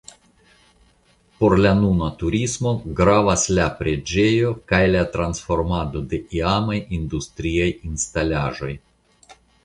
Por nuna turismo gravas la preĝejo kaj la transformado de iamaj industriaj instalaĵoj.